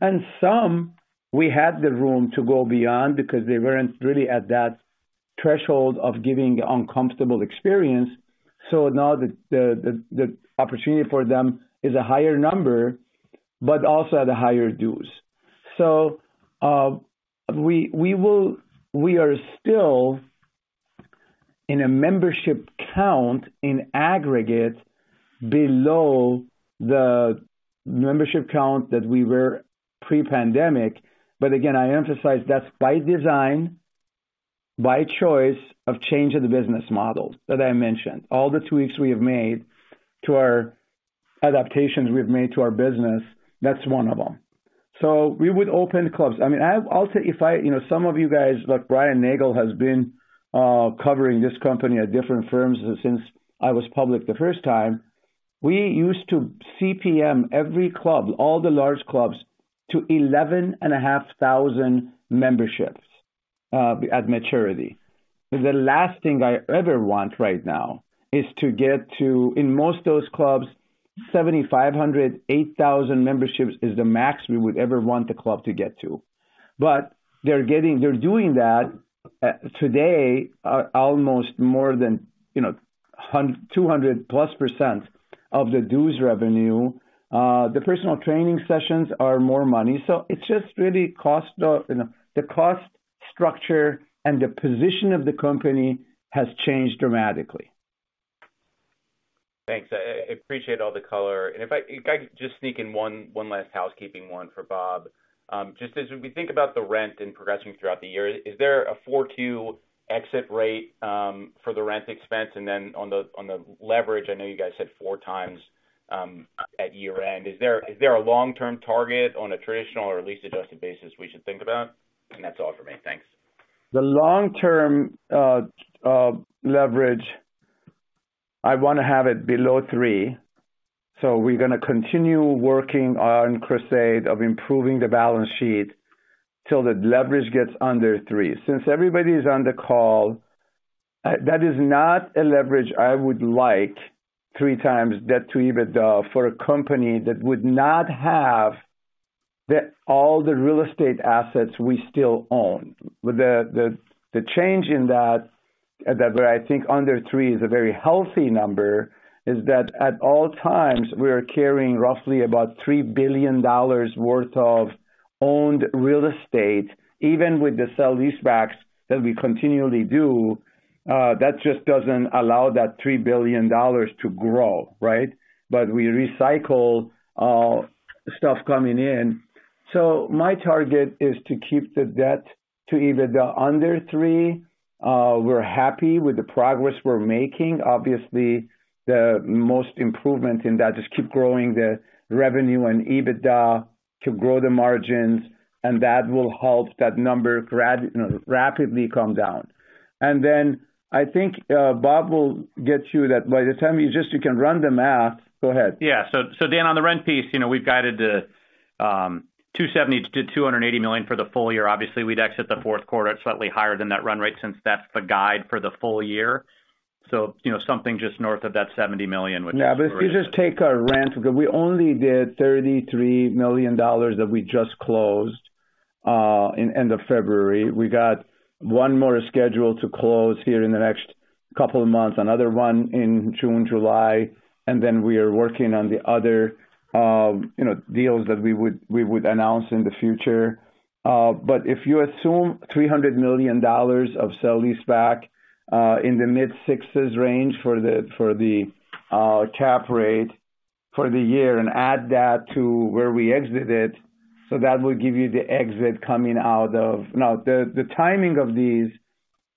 and some we had the room to go beyond because they weren't really at that threshold of giving uncomfortable experience. Now the opportunity for them is a higher number, but also at a higher dues. We are still in a membership count in aggregate below the membership count that we were pre-pandemic. Again, I emphasize that's by design, by choice of change of the business model that I mentioned. All the tweaks we have made to our adaptations we've made to our business, that's one of them. We would open clubs. I mean, I'll tell you, if I... You know, some of you guys, like Brian Nagel, has been covering this company at different firms since I was public the first time. We used to CPM every club, all the large clubs, to 11,500 memberships at maturity. The last thing I ever want right now is to get to, in most of those clubs, 7,500, 8,000 memberships is the max we would ever want the club to get to. They're doing that, today, almost more than, you know, 200%-plus of the dues revenue. The personal training sessions are more money. It's just really cost, the cost structure and the position of the company has changed dramatically. Thanks. I appreciate all the color. If I could just sneak in one last housekeeping one for Bob. Just as we think about the rent and progression throughout the year, is there a 4.2 exit rate for the rent expense? On the leverage, I know you guys said 4 times at year-end. Is there a long-term target on a traditional or at least adjusted basis we should think about? That's all for me. Thanks. The long-term leverage, I wanna have it below three. We're gonna continue working on crusade of improving the balance sheet till the leverage gets under three. Since everybody is on the call, that is not a leverage I would like three times debt to EBITDA for a company that would not have all the real estate assets we still own. The change in that, where I think under three is a very healthy number, is that at all times we are carrying roughly about $3 billion worth of owned real estate, even with the sale leasebacks that we continually do. That just doesn't allow that $3 billion to grow, right? We recycle stuff coming in. My target is to keep the debt to EBITDA under three. We're happy with the progress we're making. Obviously, the most improvement in that, just keep growing the revenue and EBITDA to grow the margins, and that will help that number you know, rapidly come down. I think Bob will get you that by the time you can run the math. Go ahead. Yeah. Dan, on the rent piece, you know, we've guided the $270 million-$280 million for the full year. Obviously, we'd exit the Q4 at slightly higher than that run rate since that's the guide for the full year. You know, something just north of that $70 million, which is- If you just take our rent, we only did $33 million that we just closed in end of February. We got one more scheduled to close here in the next couple of months, another one in June, July, and then we are working on the other, you know, deals that we would announce in the future. If you assume $300 million of sale-leaseback in the mid-60s range for the, for the cap rate for the year and add that to where we exited, that will give you the exit coming out of... The timing of these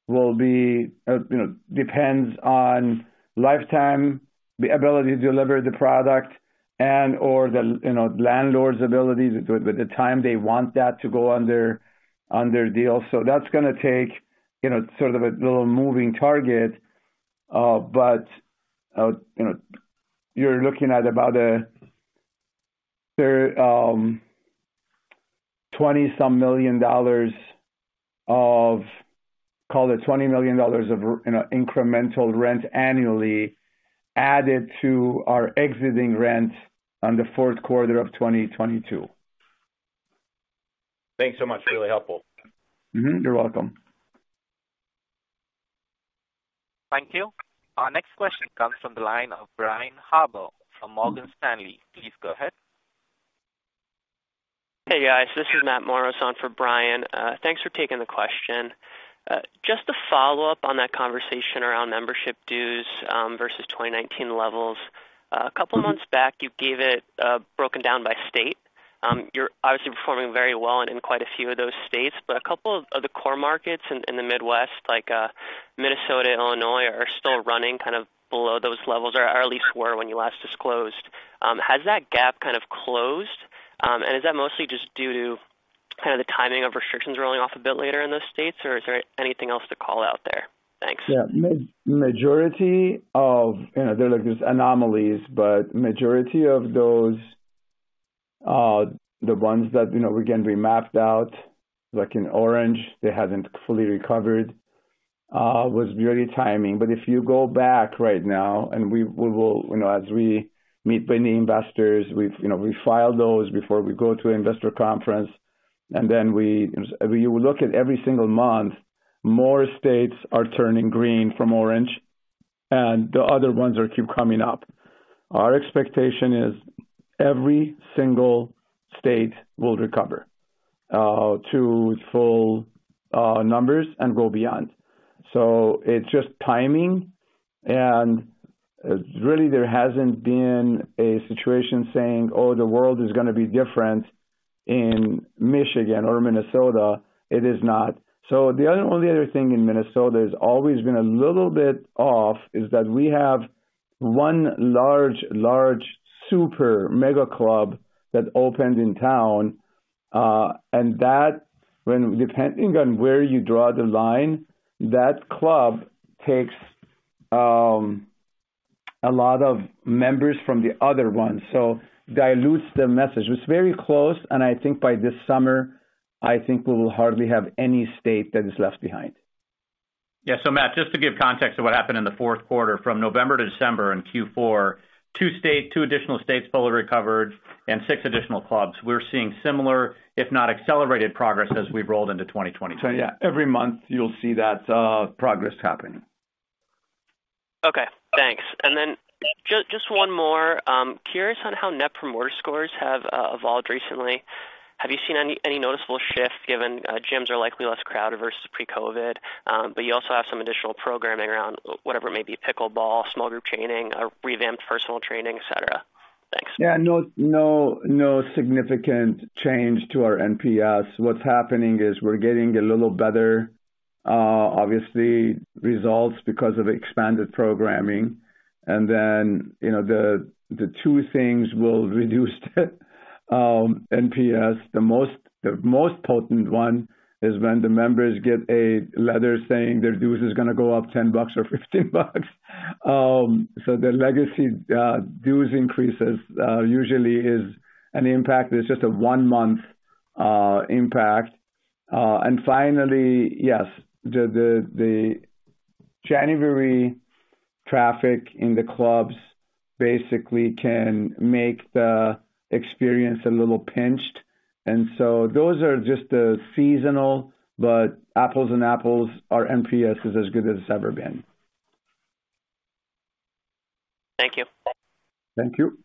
will be, you know, depends on Life Time, the ability to deliver the product and/or the, you know, landlord's ability with the time they want that to go on their, on their deal. That's gonna take, you know, sort of a little moving target, but, you know, you're looking at about $20 some million of, Call it $20 million of you know, incremental rent annually added to our exiting rent on the Q4 of 2022. Thanks so much. Really helpful. Mm-hmm. You're welcome. Thank you. Our next question comes from the line of Brian Harbour from Morgan Stanley. Please go ahead. Hey, guys, this is Matt Morrison for Brian. Thanks for taking the question. Just to follow up on that conversation around membership dues versus 2019 levels. A couple months back you gave it broken down by state. You're obviously performing very well and in quite a few of those states, but a couple of the core markets in the Midwest, like Minnesota, Illinois, are still running kind of below those levels, or at least were when you last disclosed. Has that gap kind of closed? Is that mostly just due to kind of the timing of restrictions rolling off a bit later in those states, or is there anything else to call out there? Thanks. Yeah. Majority of... You know, there are these anomalies, but majority of those, the ones that, you know, again, we mapped out, like in orange, they haven't fully recovered, was really timing. If you go back right now, and we will, you know, as we meet with any investors, we've, you know, we file those before we go to investor conference, You look at every single month, more states are turning green from orange. The other ones are keep coming up. Our expectation is every single state will recover to full numbers and go beyond. It's just timing, and really there hasn't been a situation saying, "Oh, the world is gonna be different in Michigan or Minnesota." It is not. The only other thing in Minnesota has always been a little bit off is that we have one large super mega club that opened in town, and that depending on where you draw the line, that club takes a lot of members from the other ones, so dilutes the message. It's very close, and I think by this summer, I think we will hardly have any state that is left behind. Yeah. Matt, just to give context of what happened in the Q4. From November to December in Q4, two additional states fully recovered and six additional clubs. We're seeing similar, if not accelerated progress as we've rolled into 2022. Yeah, every month you'll see that progress happening. Okay, thanks. Just one more. Curious on how Net Promoter Scores have evolved recently. Have you seen any noticeable shift given gyms are likely less crowded versus pre-COVID, but you also have some additional programming around whatever it may be, pickleball, Small Group Training or revamped Personal Training, et cetera? Thanks. Yeah. No, no significant change to our NPS. What's happening is we're getting a little better, obviously results because of expanded programming. Then, you know, the two things will reduce the NPS. The most potent one is when the members get a letter saying their dues is gonna go up $10 or $15. The legacy dues increases usually is an impact that's just a one-month impact. Finally, yes, the January traffic in the clubs basically can make the experience a little pinched. So those are just the seasonal, but apples and apples, our NPS is as good as it's ever been. Thank you. Thank you.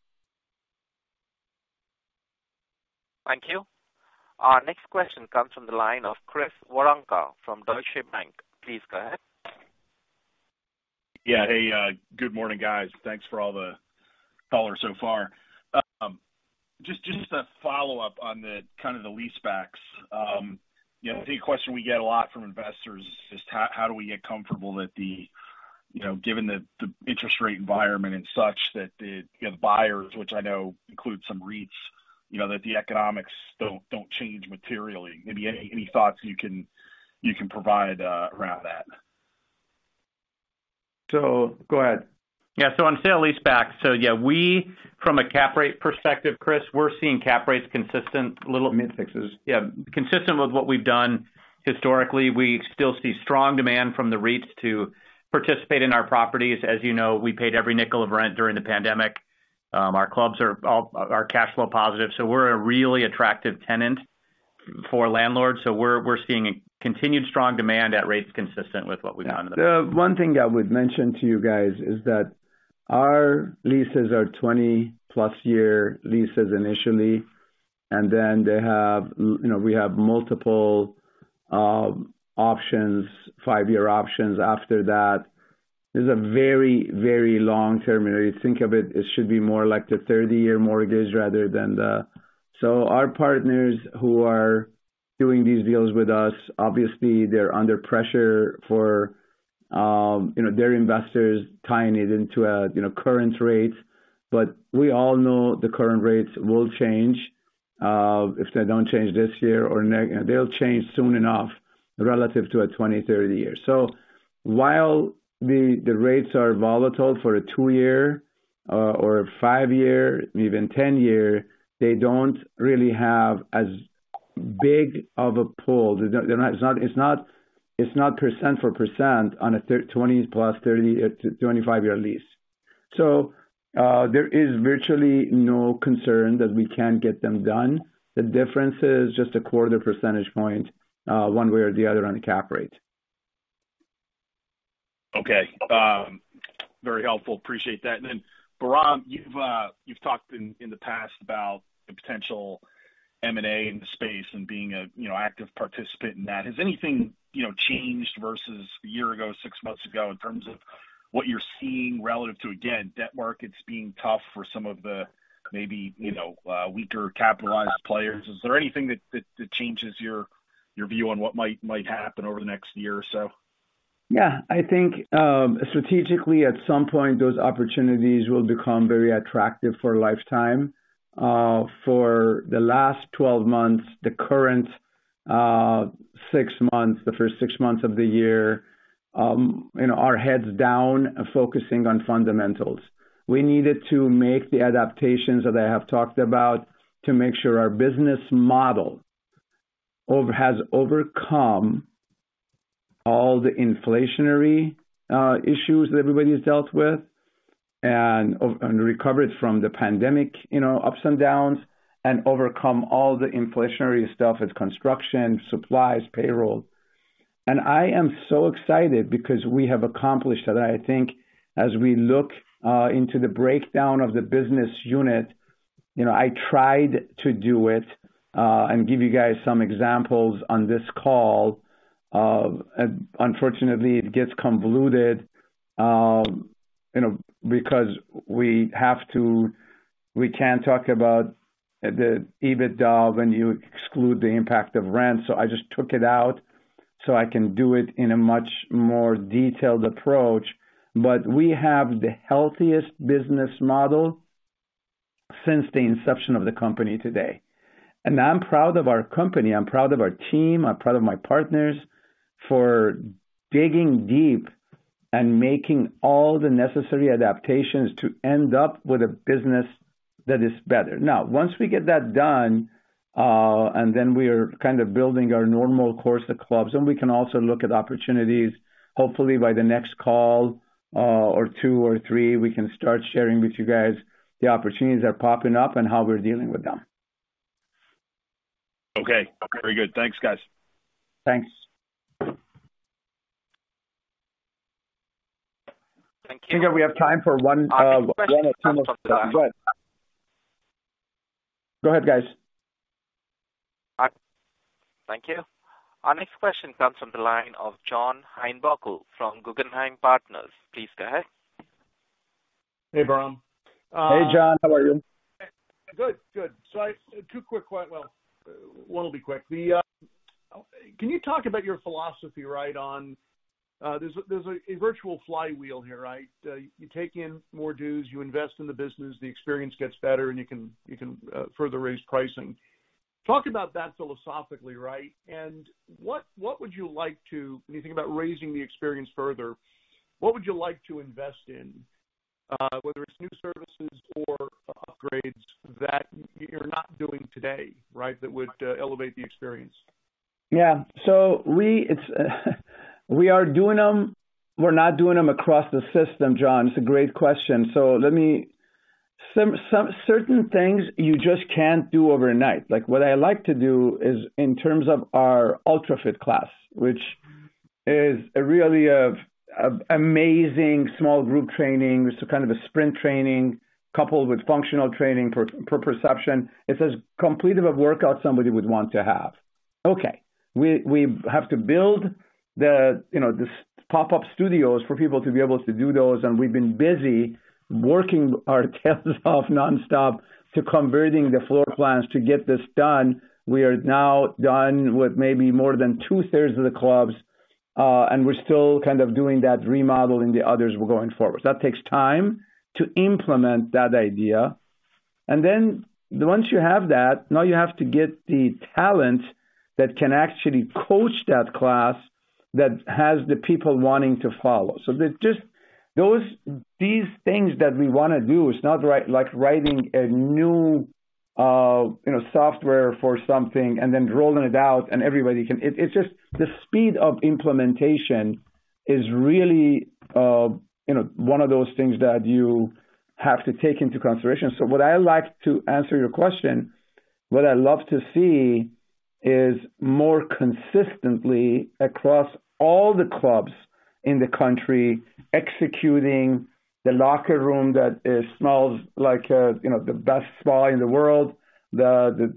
Thank you. Our next question comes from the line of Chris Woronka from Deutsche Bank. Please go ahead. Yeah. Hey, good morning, guys. Thanks for all the color so far. Just a follow-up on the kind of the lease backs. You know, the question we get a lot from investors is how do we get comfortable that the, you know, given the interest rate environment and such that the, you know, buyers, which I know includes some REITs, you know, that the economics don't change materially. Maybe any thoughts you can provide around that? Go ahead. Yeah. On sale-leasebacks. Yeah, we from a cap rate perspective, Chris, we're seeing cap rates consistent, little- Mid-sixes. Consistent with what we've done historically. We still see strong demand from the REITs to participate in our properties. As you know, we paid every nickel of rent during the pandemic. Our clubs are all cash flow positive, we're a really attractive tenant for landlords. We're seeing a continued strong demand at rates consistent with what we've done in the past. The one thing I would mention to you guys is that our leases are 20-plus year leases initially, and then they have, you know, we have multiple options, five-year options after that. This is a very, very long-term. Think of it should be more like the 30-year mortgage rather than the. Our partners who are doing these deals with us, obviously they're under pressure for, you know, their investors tying it into a, you know, current rates. We all know the current rates will change. If they don't change this year or next, they'll change soon enough relative to a 20, 30 year. While the rates are volatile for a two year, or a five year, even 10 year, they don't really have as big of a pull. They're It's not % for % on a 20 plus 30, 25 year lease. There is virtually no concern that we can't get them done. The difference is just a quarter percentage point, one way or the other on the cap rate. Okay. Very helpful. Appreciate that. Bahram, you've talked in the past about the potential M&A in the space and being a, you know, active participant in that. Has anything, you know, changed versus a year ago, six months ago, in terms of what you're seeing relative to, again, debt markets being tough for some of the maybe, you know, weaker capitalized players? Is there anything that changes your view on what might happen over the next year or so? I think, strategically, at some point, those opportunities will become very attractive for Life Time. For the last 12 months, the current, six months, the first six months of the year, you know, our heads down focusing on fundamentals. We needed to make the adaptations that I have talked about to make sure our business model has overcome all the inflationary issues that everybody's dealt with. And recovered from the pandemic, you know, ups and downs, and overcome all the inflationary stuff with construction, supplies, payroll. I am so excited because we have accomplished that. I think as we look into the breakdown of the business unit, you know, I tried to do it and give you guys some examples on this call. Unfortunately, it gets convoluted, you know, because we can't talk about the EBITDA when you exclude the impact of rent, so I just took it out so I can do it in a much more detailed approach. We have the healthiest business model since the inception of the company today. I'm proud of our company. I'm proud of our team. I'm proud of my partners for digging deep and making all the necessary adaptations to end up with a business that is better. Now, once we get that done, and then we are kind of building our normal course of clubs, and we can also look at opportunities, hopefully by the next call, or two or three, we can start sharing with you guys the opportunities that are popping up and how we're dealing with them. Okay. Very good. Thanks, guys. Thanks. Thank you. I think we have time for one or two more questions. Go ahead, guys. Thank you. Our next question comes from the line of John Heinbockel from Guggenheim Partners. Please go ahead. Hey, Bahram. Hey, John. How are you? Good. Good. Two quick well, one will be quick. Can you talk about your philosophy, right, on, there's a virtual flywheel here, right? You take in more dues, you invest in the business, the experience gets better, and you can, further raise pricing. Talk about that philosophically, right? What would you like to when you think about raising the experience further, what would you like to invest in, whether it's new services or upgrades that you're not doing today, right? That would elevate the experience. We are doing them. We're not doing them across the system, John. It's a great question. Let me. Certain things you just can't do overnight. Like, what I like to do is in terms of our Ultra Fit class, which is really a amazing small group training. It's a kind of a sprint training coupled with functional training for perception. It's as complete of a workout somebody would want to have. Okay. We have to build the, you know, this pop-up studios for people to be able to do those, and we've been busy working our tails off nonstop to converting the floor plans to get this done. We are now done with maybe more than 2/3 of the clubs, and we're still kind of doing that remodel in the others we're going forward. That takes time to implement that idea. Once you have that, now you have to get the talent that can actually coach that class that has the people wanting to follow. There's just these things that we wanna do, it's not like writing a new, you know, software for something and then rolling it out and everybody can. It's just the speed of implementation is really, you know, one of those things that you have to take into consideration. To answer your question, what I love to see is more consistently across all the clubs in the country, executing the locker room that smells like, you know, the best spa in the world, the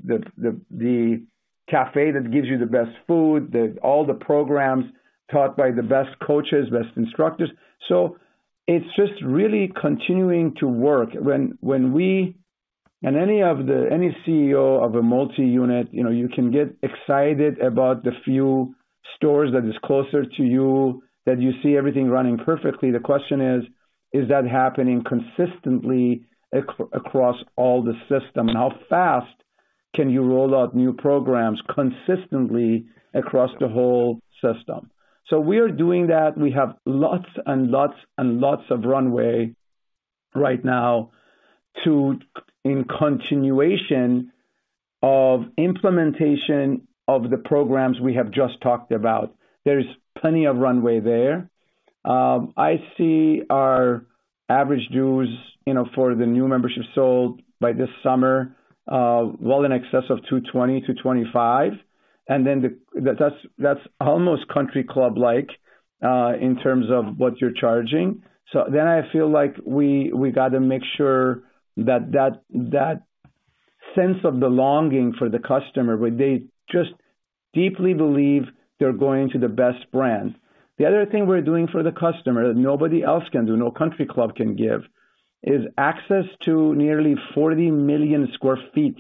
cafe that gives you the best food, all the programs taught by the best coaches, best instructors. It's just really continuing to work. When we. Any CEO of a multi-unit, you know, you can get excited about the few stores that is closer to you, that you see everything running perfectly. The question is: Is that happening consistently across all the system? How fast can you roll out new programs consistently across the whole system? We are doing that. We have lots and lots and lots of runway right now in continuation of implementation of the programs we have just talked about. There is plenty of runway there. I see our average dues, you know, for the new membership sold by this summer, well in excess of $220-$225, that's almost country club-like in terms of what you're charging. I feel like we got to make sure that sense of belonging for the customer, where they just deeply believe they're going to the best brand. The other thing we're doing for the customer that nobody else can do, no country club can give, is access to nearly 40 million sq ft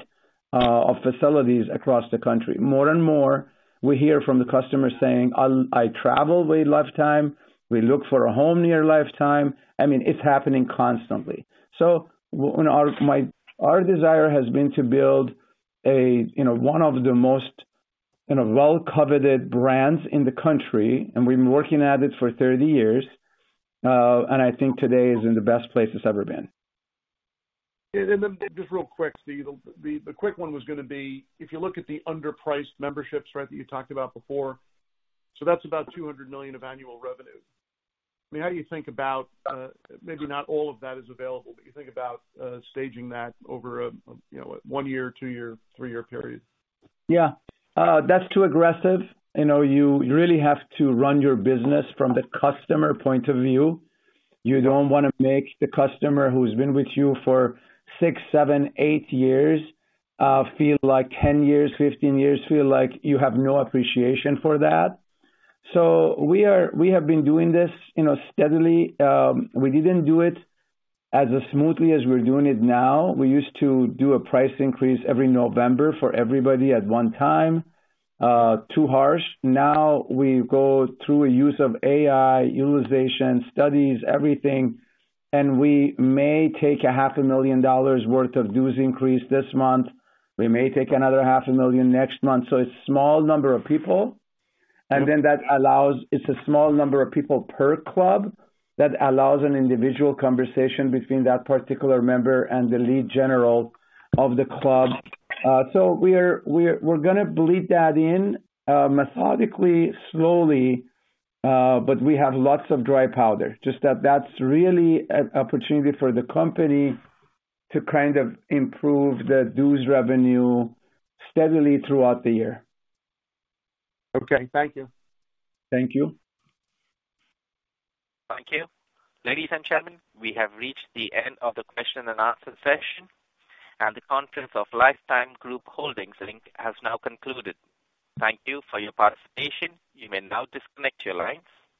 of facilities across the country. More and more, we hear from the customer saying, "I travel with Life Time. We look for a home near Life Time." I mean, it's happening constantly. When Our desire has been to build a, you know, one of the most, you know, well-coveted brands in the country, and we've been working at it for 30 years, and I think today is in the best place it's ever been. Yeah. Just real quick. The quick one was gonna be, if you look at the underpriced memberships, right, that you talked about before, that's about $200 million of annual revenue. I mean, how do you think about, maybe not all of that is available, but you think about staging that over a, you know, one year, two year, three year period? Yeah. That's too aggressive. You know, you really have to run your business from the customer point of view. You don't want to make the customer who's been with you for six, seven, eight years, feel like 10 years, 15 years, feel like you have no appreciation for that. We have been doing this, you know, steadily. We didn't do it as smoothly as we're doing it now. We used to do a price increase every November for everybody at one time. Too harsh. Now we go through a use of AI, utilization, studies, everything, and we may take a half a million dollars worth of dues increase this month. We may take another half a million next month. It's small number of people. It's a small number of people per club that allows an individual conversation between that particular member and the lead general of the club. We're gonna bleed that in methodically, slowly. We have lots of dry powder. Just that that's really an opportunity for the company to kind of improve the dues revenue steadily throughout the year. Okay, thank you. Thank you. Thank you. Ladies and gentlemen, we have reached the end of the question and answer session, and the conference of Life Time Group Holdings, Inc. has now concluded. Thank you for your participation. You may now disconnect your lines.